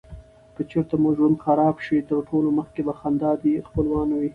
که چیرته مو ژوند خراب شي تر ټولو مخکي به خندا دې خپلوانو وې.